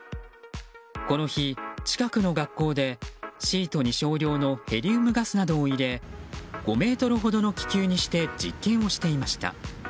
この日、近くの学校で、シートに少量のヘリウムガスなどを入れ５ｍほどの気球にして実験をしていました。